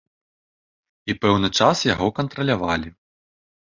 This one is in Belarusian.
І пэўны час яго кантралявалі.